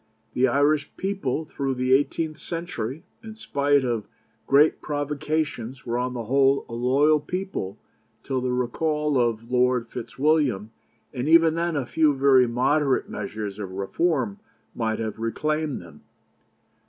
The Irish people through the eighteenth century, in spite of great provocations, were on the whole a loyal people till the recall of Lord Fitzwilliam, and even then a few very moderate measures of reform might have reclaimed them.